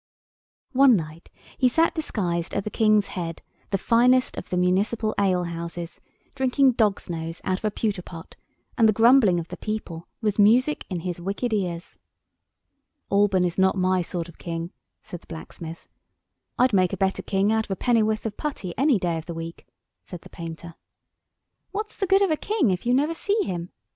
One night he sat disguised at the King's Head—the finest of the municipal alehouses—drinking dog's nose out of a pewter pot, and the grumbling of the people was music in his wicked ears. "Alban is not my sort of king," said the blacksmith. "I'd make a better king out of a penn'orth of putty any day of the week," said the painter. "What's the good of a king if you never see him?"